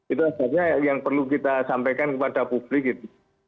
itu saja yang perlu kita sampaikan kepada publik gitu